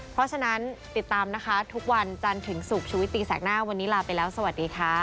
เพราะฉะนั้นติดตามนะคะทุกวันจันทร์ถึงศุกร์ชุวิตตีแสกหน้าวันนี้ลาไปแล้วสวัสดีค่ะ